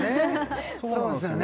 そうですよね